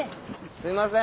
すいません。